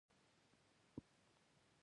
ذهن د واقعیت د جوړونې انجن دی.